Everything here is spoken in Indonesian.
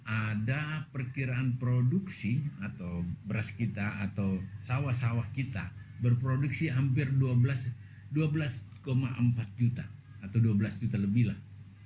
ada perkiraan produksi atau beras kita atau sawah sawah kita berproduksi hampir dua belas empat juta atau dua belas juta lebih lah